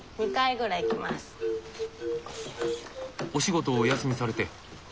お仕事をお休みされて？